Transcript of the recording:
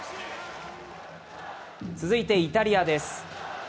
続いてイタリアです。